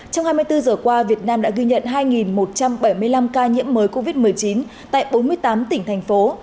trong hai mươi bốn giờ qua việt nam đã ghi nhận hai một trăm bảy mươi năm ca nhiễm mới covid một mươi chín tại bốn mươi tám tỉnh thành phố